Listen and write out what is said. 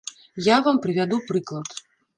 Я вам прывяду прыклад.